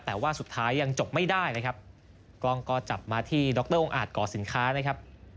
แต่ว่าสุดท้ายยังจบไม่ได้นะครับกล้องก็จับมาที่ดรองอาจก่อสินค้านะครับ